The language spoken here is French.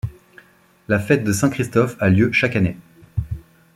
La fête de Saint-Christophe a lieu chaque année.